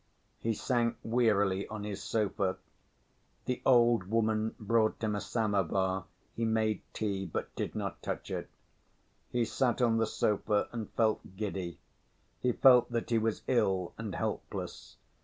He sank wearily on his sofa. The old woman brought him a samovar; he made tea, but did not touch it. He sat on the sofa and felt giddy. He felt that he was ill and helpless.